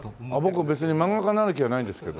僕別に漫画家になる気はないんですけど。